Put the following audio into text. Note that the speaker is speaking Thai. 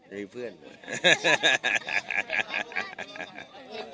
มีเพื่อนด้วย